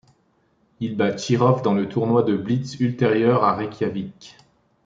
Il bat Chirov dans un tournoi de blitz ultérieur à Reykjavik.